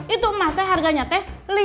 itu emas teh harganya teh